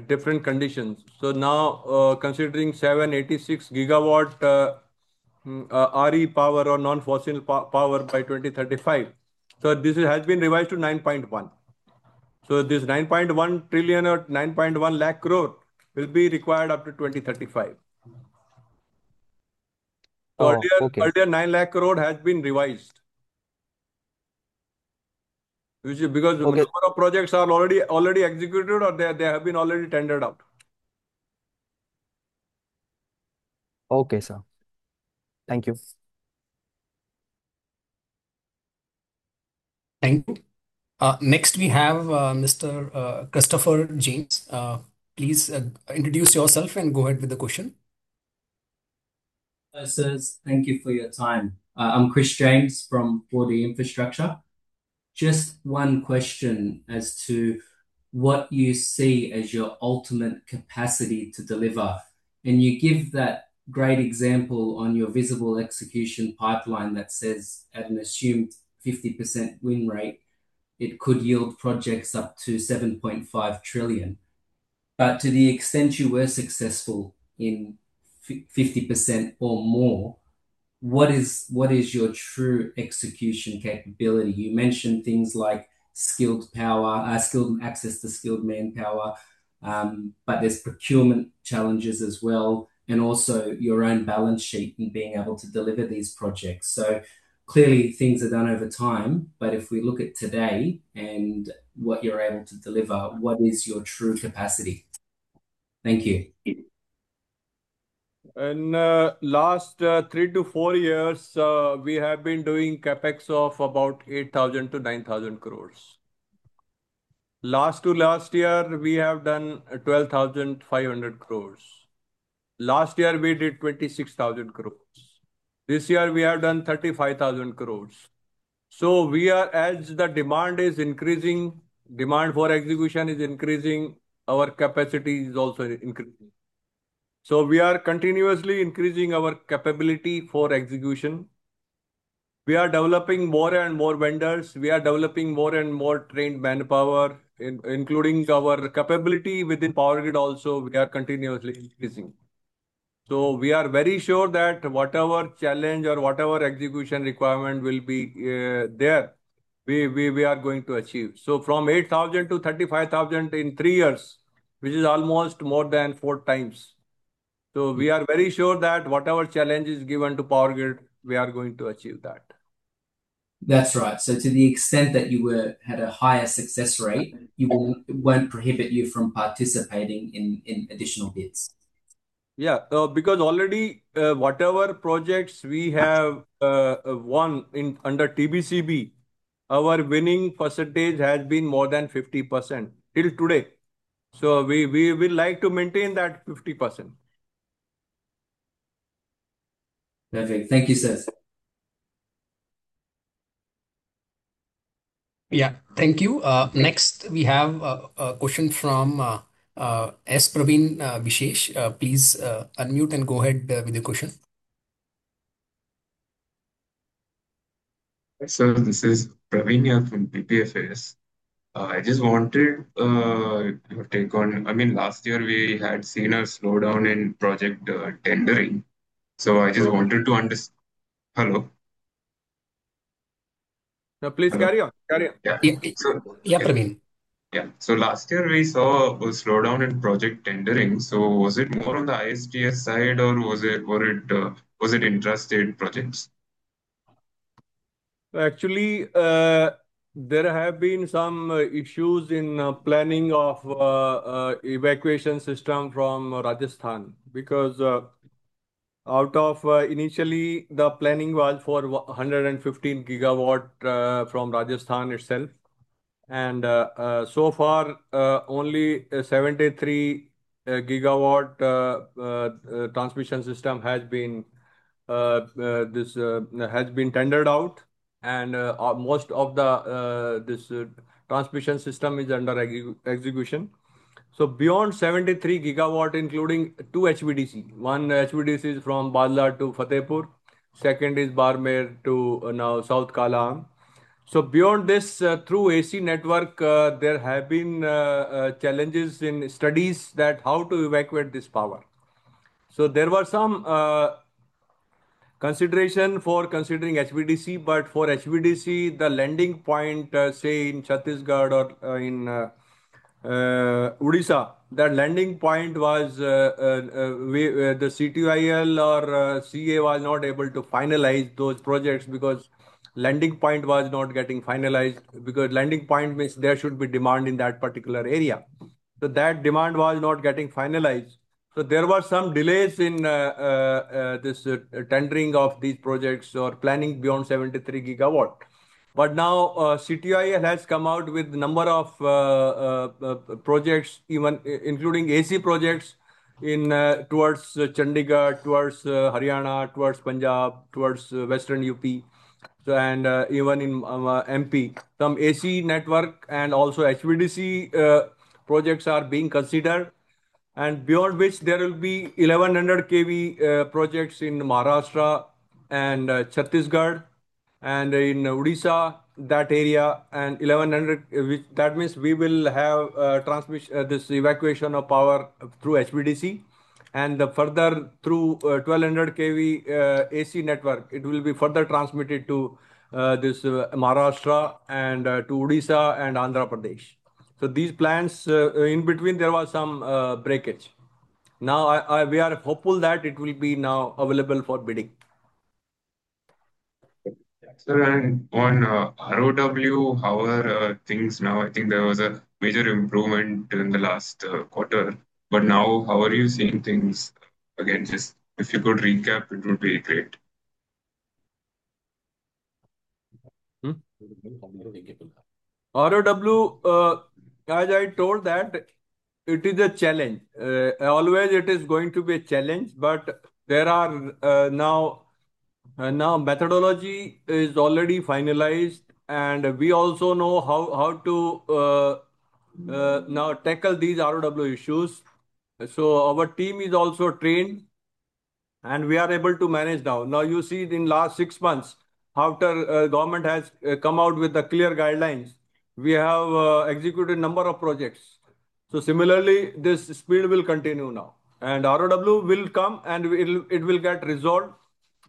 [SPEAKER 3] different conditions. Now, considering 786 GW of RE power or non-fossil power by 2035. This has been revised to 9.1. This 9.1 trillion or 9.1 lakh crore will be required up to 2035.
[SPEAKER 8] Oh, okay.
[SPEAKER 3] Earlier 9 lakh crore has been revised. Which is because.
[SPEAKER 8] Okay...
[SPEAKER 3] a lot of projects are already executed or they have been already tendered out.
[SPEAKER 8] Okay, sir. Thank you.
[SPEAKER 1] Thank you. Next, we have Mr. Christopher James. Please, introduce yourself and go ahead with the question.
[SPEAKER 9] Sir, thank you for your time. I'm Christopher James from 4D Infrastructure. Just one question as to what you see as your ultimate capacity to deliver, and you give that great example on your visible execution pipeline that says at an assumed 50% win rate, it could yield projects up to 7.5 trillion. To the extent you were successful in 50% or more, what is your true execution capability? You mentioned things like skilled manpower, but there's procurement challenges as well, and also your own balance sheet in being able to deliver these projects. Clearly things are done over time, but if we look at today and what you're able to deliver, what is your true capacity? Thank you.
[SPEAKER 3] In last 3–4 years, we have been doing CapEx of about 8,000–9,000 crore. Last to last year, we have done 12,500 crore. Last year we did 26,000 crore. This year we have done 35,000 crore. As the demand is increasing, demand for execution is increasing, our capacity is also increasing. We are continuously increasing our capability for execution. We are developing more and more vendors. We are developing more and more trained manpower, including our capability within POWERGRID also, we are continuously increasing. We are very sure that whatever challenge or whatever execution requirement will be there, we are going to achieve. From 8,000 crore–35,000 crore in three years, which is almost more than 4 times. We are very sure that whatever challenge is given to POWERGRID, we are going to achieve that.
[SPEAKER 9] That's right. To the extent that you had a higher success rate, it won't prohibit you from participating in additional bids?
[SPEAKER 3] Yeah. Because already, whatever projects we have won under TBCB, our winning percentage has been more than 50% till today. We would like to maintain that 50%.
[SPEAKER 9] Perfect. Thank you, sir.
[SPEAKER 1] Yeah. Thank you. Next we have a question from S. Praveen Vishesh. Please unmute and go ahead with the question.
[SPEAKER 10] Sir, this is Praveen here from PPFAS. I just wanted, your take on, I mean, last year we had seen a slowdown in project tendering, so I just wanted to unders... Hello?
[SPEAKER 3] Please carry on. Carry on.
[SPEAKER 10] Yeah.
[SPEAKER 1] Yeah. Yeah, Praveen.
[SPEAKER 10] Yeah. Last year we saw a slowdown in project tendering. Was it more on the ISTS side, or was it intra-state projects?
[SPEAKER 3] Actually, there have been some issues in planning of evacuation system from Rajasthan because initially the planning was for 115 GW from Rajasthan itself, and so far only 73 GW transmission system has been tendered out and most of this transmission system is under execution beyond 73 GW including two HVDC. One HVDC is from Barmer to Fatehpur, second is Barmer to South Kalam. Beyond this, through AC network, there have been challenges in studies as to how to evacuate this power. There were some consideration for considering HVDC, but for HVDC, the landing point, say in Chhattisgarh or in Odisha, the landing point was the CTUIL or CEA was not able to finalize those projects because landing point was not getting finalized. Because landing point means there should be demand in that particular area. That demand was not getting finalized. There were some delays in this tendering of these projects or planning beyond 73 GW. Now CTUIL has come out with a number of projects even including AC projects in towards Chandigarh, towards Haryana, towards Punjab, towards Western UP, and even in MP. Some AC network and also HVDC projects are being considered, and beyond which there will be 1,100 kV projects in Maharashtra and Chhattisgarh and in Odisha, that area. That means we will have this evacuation of power through HVDC. Further through 1,200 kV AC network, it will be further transmitted to this Maharashtra and to Odisha and Andhra Pradesh. These plans, in between there was some breakage. Now we are hopeful that it will be now available for bidding.
[SPEAKER 10] Sir, on RoW, how are things now? I think there was a major improvement in the last quarter, but now how are you seeing things? Again, just if you could recap, it would be great.
[SPEAKER 3] RoW, as I told that, it is a challenge. Always it is going to be a challenge, but there are, now methodology is already finalized, and we also know how to, now tackle these RoW issues. Our team is also trained, and we are able to manage now. Now you see in last six months after, government has, come out with the clear guidelines, we have, executed a number of projects. Similarly, this speed will continue now. RoW will come and it will get resolved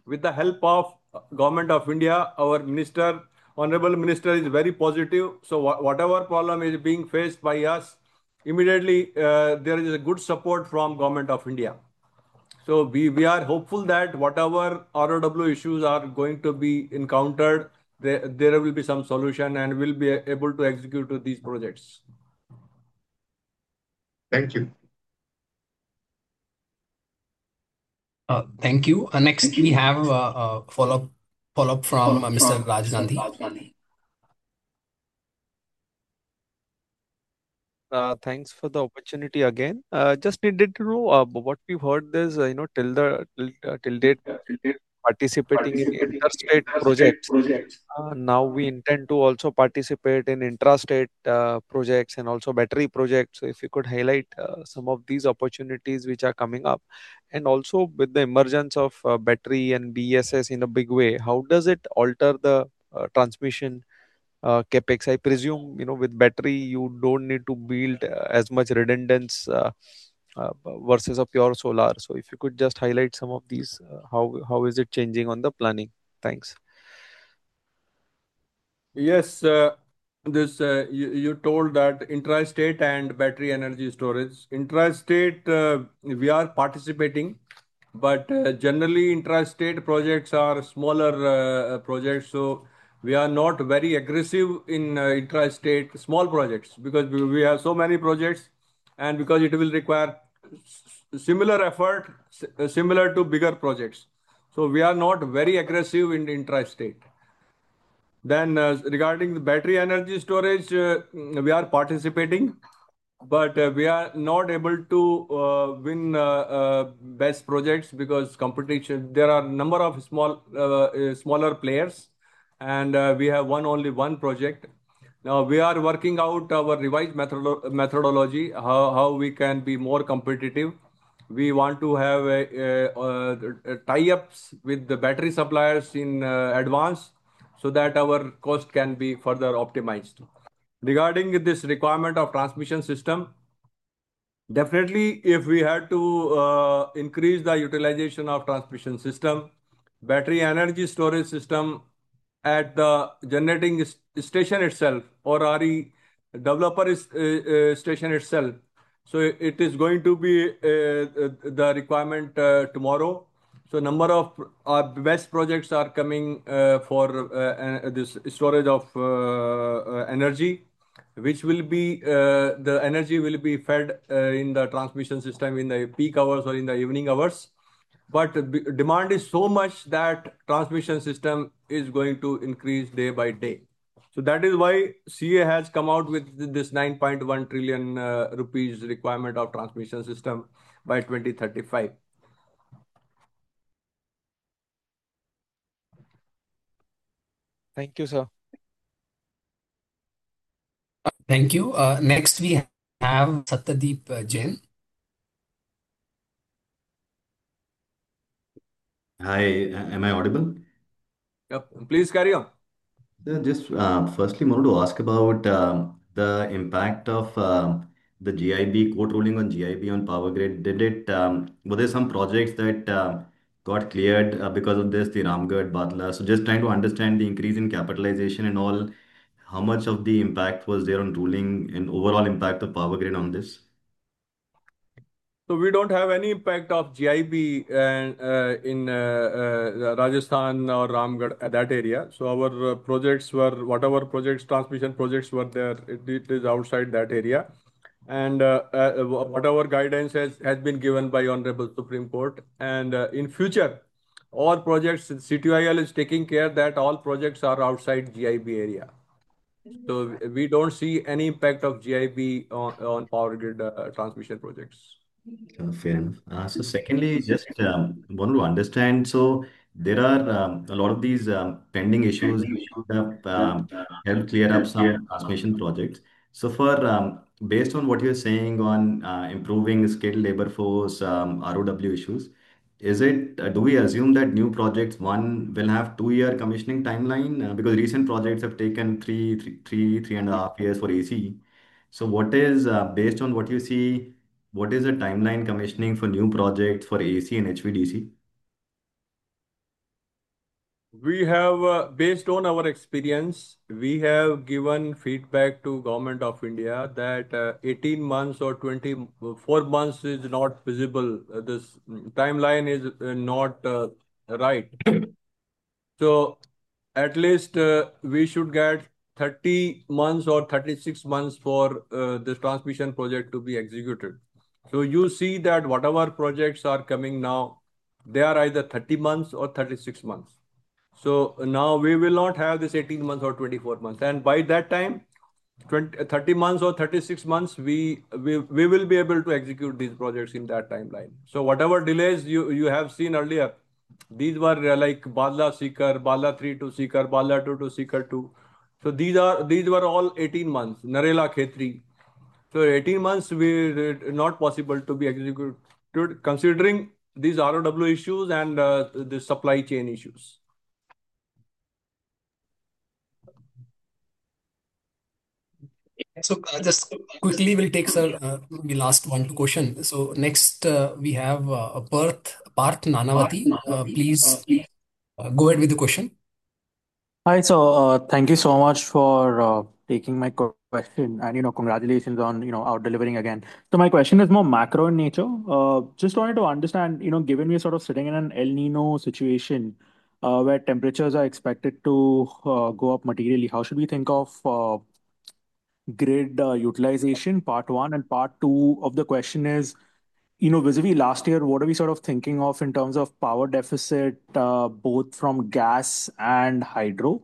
[SPEAKER 3] with the help of Government of India. Our minister, Honorable Minister is very positive, so whatever problem is being faced by us, immediately, there is a good support from Government of India. We are hopeful that whatever RoW issues are going to be encountered, there will be some solution and we'll be able to execute these projects.
[SPEAKER 7] Thank you.
[SPEAKER 1] Thank you. Next we have a follow-up from Mr. Rajiv Gandhi.
[SPEAKER 4] Thanks for the opportunity again. I just needed to know what we've heard is, you know, till date participating in inter-state projects. Now we intend to also participate in intra-state projects and also battery projects. If you could highlight some of these opportunities which are coming up. Also with the emergence of battery and BESS in a big way, how does it alter the transmission CapEx? I presume, you know, with battery you don't need to build as much redundancy versus a pure solar. If you could just highlight some of these, how is it changing on the planning? Thanks.
[SPEAKER 3] Yes, you told that intra-state and battery energy storage. Intra-state, we are participating, but generally intra-state projects are smaller projects, so we are not very aggressive in intra-state small projects because we have so many projects and because it will require similar effort to bigger projects. We are not very aggressive in intra-state. Regarding the battery energy storage, we are participating, but we are not able to win best projects because competition. There are a number of smaller players and we have won only one project. Now we are working out our revised methodology, how we can be more competitive. We want to have a tie-ups with the battery suppliers in advance so that our cost can be further optimized. Regarding this requirement of transmission system, definitely if we had to increase the utilization of transmission system, battery energy storage system at the generating station itself or RE developer's station itself, it is going to be the requirement tomorRoW. Number of BESS projects are coming for this storage of energy which will be fed in the transmission system in the peak hours or in the evening hours. Demand is so much that transmission system is going to increase day by day. That is why CEA has come out with this 9.1 trillion rupees requirement of transmission system by 2035.
[SPEAKER 4] Thank you, sir.
[SPEAKER 1] Thank you. Next we have Satyadeep Jain.
[SPEAKER 11] Hi, am I audible?
[SPEAKER 1] Yep, please carry on.
[SPEAKER 11] Sir, just firstly wanted to ask about the impact of the GIB court ruling on GIB on POWERGRID. Did it? Were there some projects that got cleared because of this, the Raigarh–Bhadla? Just trying to understand the increase in capitalization and all, how much of the impact was there on ruling and overall impact of POWERGRID on this.
[SPEAKER 3] We don't have any impact of GIB in Rajasthan or Ramgarh that area. Our projects were whatever projects, transmission projects were there, it is outside that area. Whatever guidance has been given by Hon'ble Supreme Court. In future, all projects, CTUIL is taking care that all projects are outside GIB area. We don't see any impact of GIB on POWERGRID transmission projects.
[SPEAKER 11] Fair enough. Secondly, just wanted to understand. There are a lot of these pending issues which would help clear up some transmission projects. For, based on what you're saying on improving skilled labor force, RoW issues, do we assume that new projects will have 2-year commissioning timeline? Because recent projects have taken 3 and a half years for AC. What is, based on what you see, the timeline commissioning for new projects for AC and HVDC?
[SPEAKER 3] Based on our experience, we have given feedback to Government of India that 18 months or 24 months is not feasible. This timeline is not right. At least we should get 30 months or 36 months for this transmission project to be executed. You see that whatever projects are coming now. They are either 30 months or 36 months. Now we will not have this 18 months or 24 months. By that time, 30 months or 36 months, we will be able to execute these projects in that timeline. Whatever delays you have seen earlier, these were like Bhadla-Sikar, Bhadla-III to Sikar, Bhadla-II to Sikar-II. These were all 18 months. Narela–Khetri. 18 months were not possible to be executed considering these RoW issues and the supply chain issues.
[SPEAKER 1] Just quickly we'll take, sir, the last one question. Next, we have Parth Nanavati. Please go ahead with the question.
[SPEAKER 12] Hi. Thank you so much for taking my question. You know, congratulations on, you know, out-delivering again. My question is more macro in nature. Just wanted to understand, you know, given we're sort of sitting in an El Niño situation, where temperatures are expected to go up materially, how should we think of grid utilization, part one. Part two of the question is, you know, vis-à-vis last year, what are we sort of thinking of in terms of power deficit, both from gas and hydro,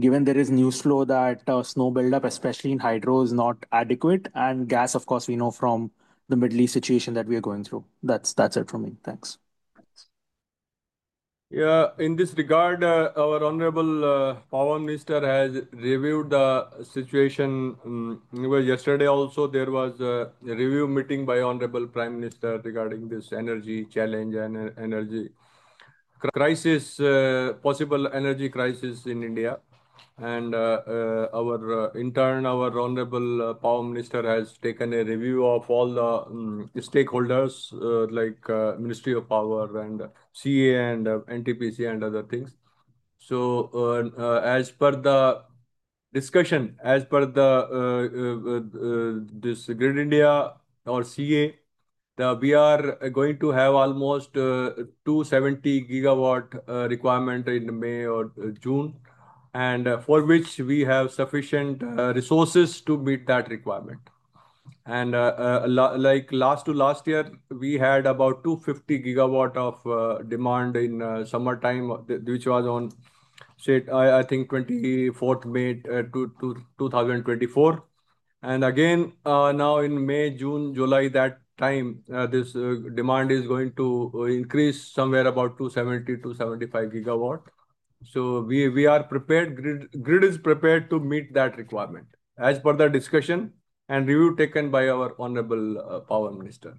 [SPEAKER 12] given there is news flow that snow build-up, especially in hydro, is not adequate? Gas, of course, we know from the Middle East situation that we are going through. That's it from me. Thanks.
[SPEAKER 3] Yeah. In this regard, our Hon’ble Union Power Minister has reviewed the situation. Yesterday also there was a review meeting by Honorable Prime Minister regarding this energy challenge and energy crisis, possible energy crisis in India. In turn, our Hon’ble Union Power Minister has taken a review of all the stakeholders like Ministry of Power, CEA and NTPC and other things. As per the discussion, as per this Grid Controller of India Limited or CEA, we are going to have almost 270 GW requirement in May or June, and for which we have sufficient resources to meet that requirement. Like last to last year, we had about 250 GW of demand in summertime, which was on, say, I think May 24, 2024. Again, now in May, June, July, that time, this demand is going to increase somewhere about 270–75 GW. We are prepared, grid is prepared to meet that requirement as per the discussion and review taken by our Hon’ble Union Power Minister.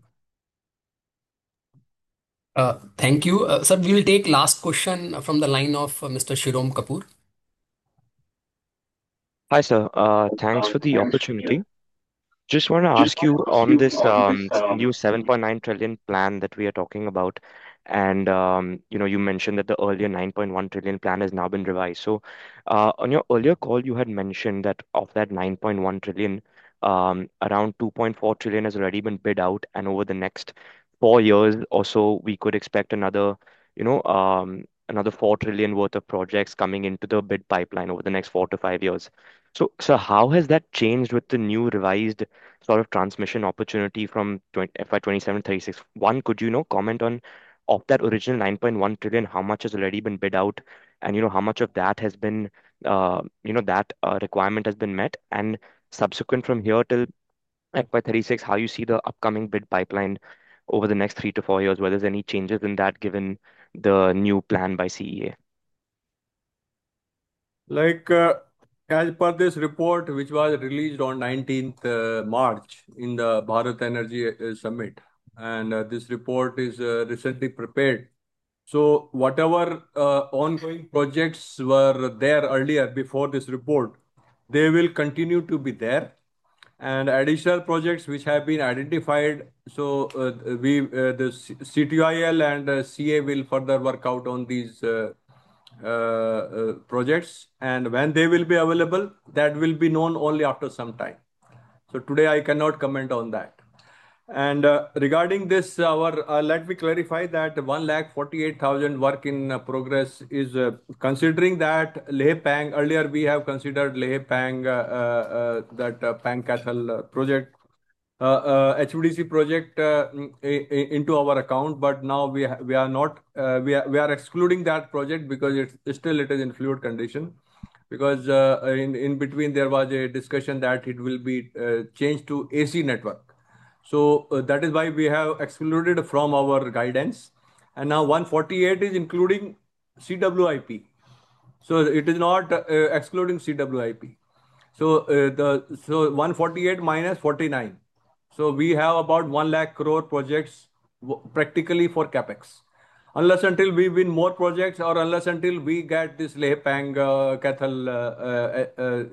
[SPEAKER 1] Thank you. Sir, we will take last question from the line of Mr. Shirom Kapoor.
[SPEAKER 13] Hi, sir. Thanks for the opportunity. Just want to ask you on this new 7.9 trillion plan that we are talking about. You know, you mentioned that the earlier 9.1 trillion plan has now been revised. On your earlier call, you had mentioned that of that 9.1 trillion, around 2.4 trillion has already been bid out, and over the next four years or so, we could expect another, you know, another 4 trillion worth of projects coming into the bid pipeline over the next four to five years. Sir, how has that changed with the new revised sort of transmission opportunity from FY 2027–2036? One, could you know, comment on of that original 9.1 trillion, how much has already been bid out? You know, how much of that has been, you know, that requirement has been met? Subsequent from here till FY 2036, how you see the upcoming bid pipeline over the next 3–4 years? Whether there's any changes in that given the new plan by CEA?
[SPEAKER 3] As per this report, which was released on March 19 in the Bharat Electricity Summit, this report is recently prepared. Whatever ongoing projects were there earlier before this report, they will continue to be there. Additional projects which have been identified, we, the CTUIL and CEA will further work out on these projects. When they will be available, that will be known only after some time. Today I cannot comment on that. Regarding this, let me clarify that ₹1.48 lakh crore work in progress is considering that Leh–Pang. Earlier we have considered Leh–Pang that Pang–Kaithal project, HVDC project, into our account. But now we are not. We are excluding that project because it's still in fluid condition because in between there was a discussion that it will be changed to AC network. That is why we have excluded from our guidance. Now 148 is including CWIP, so it is not excluding CWIP. 148–49, so we have about 1 lakh crore projects practically for CapEx. Unless and until we win more projects or unless and until we get this Leh–Pang Kaithal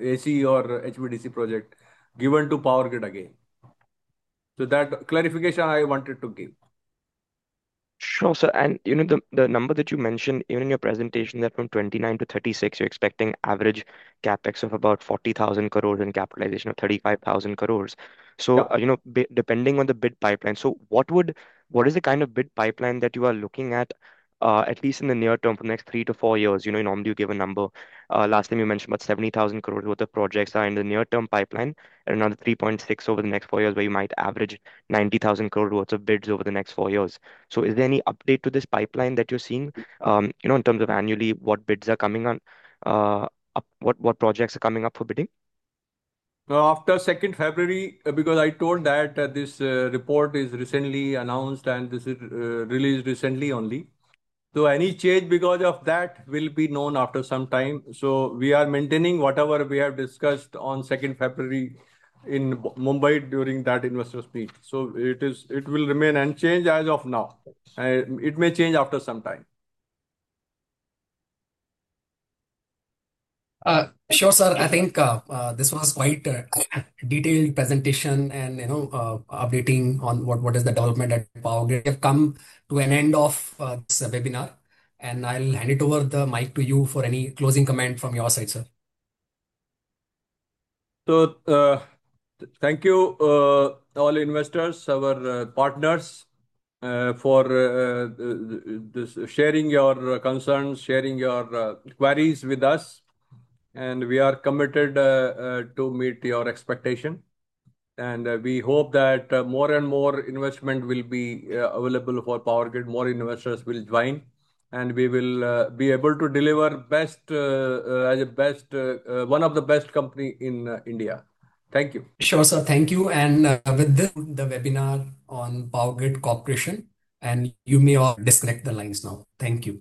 [SPEAKER 3] AC or HVDC project given to POWERGRID again. That clarification I wanted to give.
[SPEAKER 13] Sure, sir. You know, the number that you mentioned in your presentation that from FY29–FY36, you're expecting average CapEx of about 40,000 crore and capitalization of 35,000 crore.
[SPEAKER 3] Yeah.
[SPEAKER 13] You know, depending on the bid pipeline. What is the kind of bid pipeline that you are looking at least in the near term for the next 3–4 years? You know, normally you give a number. Last time you mentioned about 70,000 crore worth of projects are in the near-term pipeline and another 3.6 lakh crore over the next 4 years, where you might average 90,000 crore worth of bids over the next 4 years. Is there any update to this pipeline that you are seeing? In terms of annually, what bids are coming up, what projects are coming up for bidding?
[SPEAKER 3] After February 2, because I told that this report is recently announced and this is released recently only. Any change because of that will be known after some time. We are maintaining whatever we have discussed on February 2, in Mumbai during that investors' meet. It will remain unchanged as of now. It may change after some time.
[SPEAKER 1] Sure, sir. I think this was quite a detailed presentation and, you know, updating on what is the development at POWERGRID. We have come to an end of this webinar, and I'll hand it over the mic to you for any closing comment from your side, sir.
[SPEAKER 3] Thank you all investors, our partners for sharing your concerns, sharing your queries with us. We are committed to meet your expectation. We hope that more and more investment will be available for POWERGRID, more investors will join, and we will be able to deliver best as a best one of the best company in India. Thank you.
[SPEAKER 1] Sure, sir. Thank you. With this, the webinar on Power Grid Corporation, and you may all disconnect the lines now. Thank you.